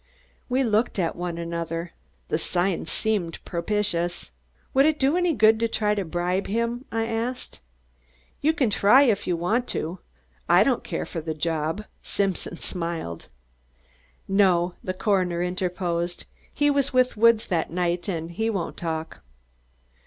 We looked at one another. The signs seemed propitious. "Would it do any good to try to bribe him?" I asked. "You can try it if you want to; I don't care for the job," Simpson smiled. "No," the coroner interposed. "He was with Woods that night and he won't talk."